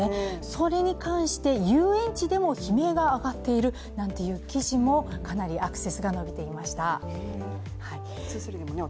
それに関して、遊園地でも悲鳴が上がっているなんていう記事もかなりアクセスが伸びていました。